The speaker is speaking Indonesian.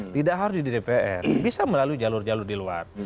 tidak harus di dpr bisa melalui jalur jalur di luar